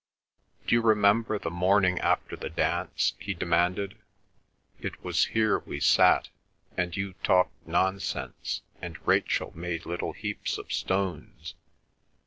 "D'you remember the morning after the dance?" he demanded. "It was here we sat, and you talked nonsense, and Rachel made little heaps of stones.